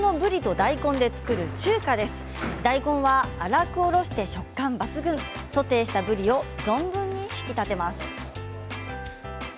大根は粗くおろして食感抜群ソテーしたぶりを存分に引き立てます。